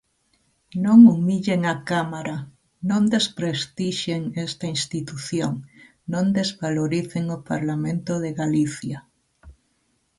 Non humillen a Cámara, non desprestixien esta institución, non desvaloricen o Parlamento de Galicia.